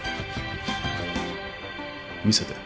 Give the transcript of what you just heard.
見せて。